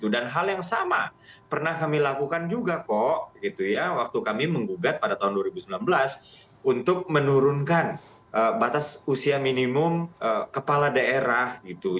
dan hal yang sama pernah kami lakukan juga kok waktu kami menggugat pada tahun dua ribu sembilan belas untuk menurunkan batas usia minimum kepala daerah